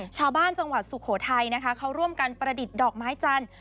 จังหวัดสุโขทัยนะคะเขาร่วมกันประดิษฐ์ดอกไม้จันทร์